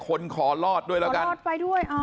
คนขอรอดด้วยแล้วกันขอรอดไปด้วยอ่า